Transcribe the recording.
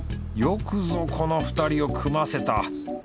よくぞこの２人を組ませた。